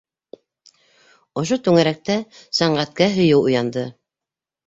Ошо түңәрәктә сәнғәткә һөйөү уянды.